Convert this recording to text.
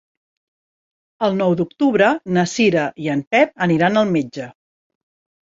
El nou d'octubre na Cira i en Pep aniran al metge.